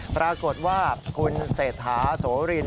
ปรากฏว่าคุณเศรษฐาโสริน